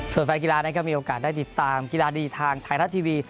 ส่วนฟัยกีฬาก็มีโอกาสได้ติดตามกีฬาดีทางไทยทัศน์ทีวี